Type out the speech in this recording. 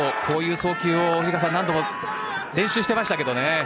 こういう送球を何度も練習してましたけどね。